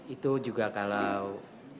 itu juga kalau